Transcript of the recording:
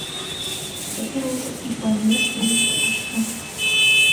Цяпер ужо і памерці не страшна.